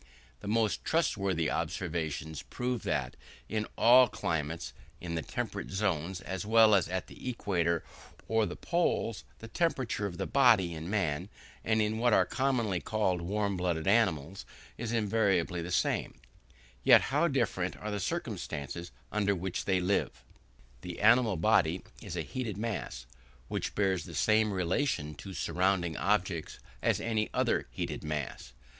The most trustworthy observations prove that in all climates, in the temperate zones as well as at the equator or the poles, the temperature of the body in man, and in what are commonly called warm blooded animals, is invariably the same; yet how different are the circumstances under which they live! The animal body is a heated mass, which bears the same relation to surrounding objects as any other heated mass.